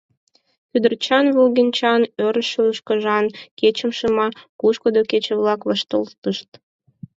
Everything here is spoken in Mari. Кӱдырчан, волгенчан, орышо ӱшкыжан кечым шыма, пушкыдо кече-влак вашталтышт.